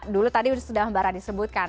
dulu tadi sudah barat disebutkan